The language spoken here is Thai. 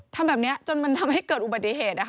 ทำแบบนี้จนมันทำให้เกิดอุบัติเหตุ